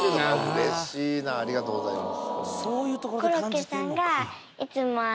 うれしいなありがとうございます